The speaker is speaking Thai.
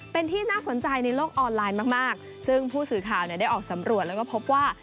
เป็นที่น่าสนใจในโลกออนไลน์มากมากซึ่งผู้สื่อข่าวเนี่ยได้ออกสำรวจแล้วก็พบว่า